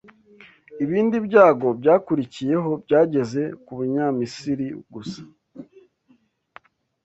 Ibindi byago byakurikiyeho byageze ku Banyamisiri gusa